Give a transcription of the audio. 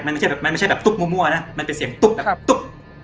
ไม่ใช่แบบไม่ใช่แบบตุ๊บมั่วนะมันเป็นเสียงตุ๊บแบบตุ๊บ